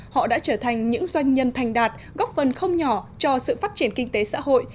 họ đã trở thành những doanh nhân thành đạt góp phần không nhỏ cho sự phát triển kinh tế xã hội